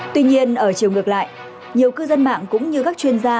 tuy nhiên ở chiều ngược lại nhiều cư dân mạng cũng như các chuyên gia